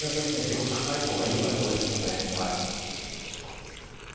玉堅い方がいい場合が多いですからね。